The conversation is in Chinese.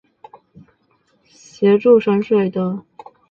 协助省水的一项重要措施是做到全面统计。